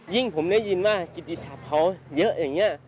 ยิ่งผมได้ยินว่ากิจภาพเผาเยอะแบบนี้